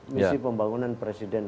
misi pembangunan presiden